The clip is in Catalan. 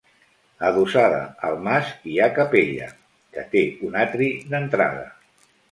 Adossada al mas hi ha capella, que té un atri d'entrada.